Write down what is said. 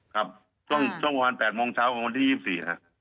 ครับต้องพอพัน๘โมงเช้าวันที่๒๔ครับ